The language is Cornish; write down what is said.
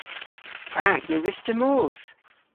Prag na wruss'ta mos?